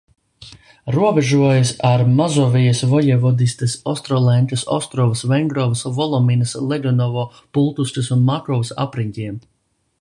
Robežojas ar Mazovijas vojevodistes Ostrolenkas, Ostrovas, Vengrovas, Volominas, Legonovo, Pultuskas un Makovas apriņķiem.